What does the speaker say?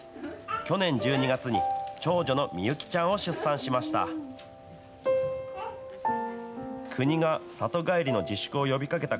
去年１２月に長女の美幸ちゃんを出産しました。